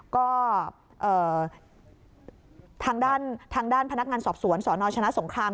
ก็ทางด้านพนักงานสอบสวนสนชนะสงคราม